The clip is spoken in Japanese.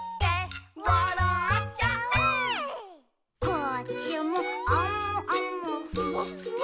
「こっちもあむあむふわっふわ」